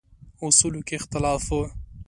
اصولو کې اختلاف و.